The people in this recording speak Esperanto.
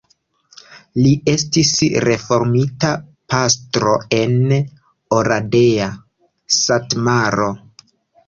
Li estis reformita pastro en Oradea, Satmaro.